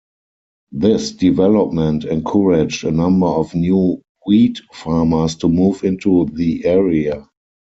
This development encouraged a number of new wheat farmers to move into the area.